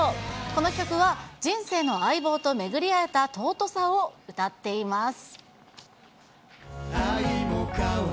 この曲は人生の相棒と巡り合えた尊さを歌っています。